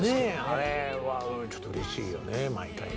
あれはちょっとうれしいよね毎回ね。